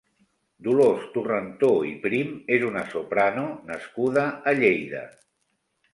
Dolors Torrentó i Prim és una soprano nascuda a Lleida.